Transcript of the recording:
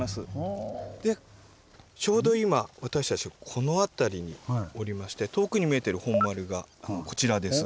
ちょうど今私たちはこの辺りにおりまして遠くに見えている本丸がこちらです。